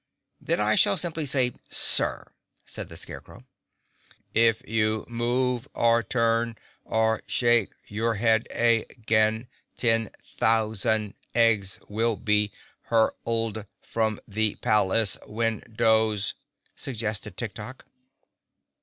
"Then I shall simply say, Sir," said the Scarecrow. "If you move or turn or shake your head a gain, ten thou sand eggs will be hurl ed from the pal ace windows," suggested Tik Tok.